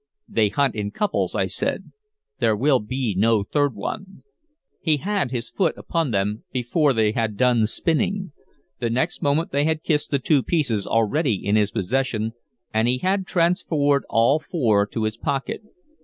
"They hunt in couples," I said. "There will be no third one." He had his foot upon them before they had done spinning. The next moment they had kissed the two pieces already in his possession, and he had transferred all four to his pocket.